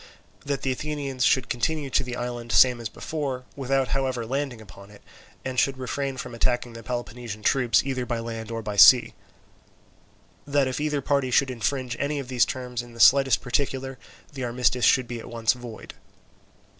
That the Athenians should continue to the island same as before, without however landing upon it, and should refrain from attacking the Peloponnesian troops either by land or by sea. That if either party should infringe any of these terms in the slightest particular, the armistice should be at once void.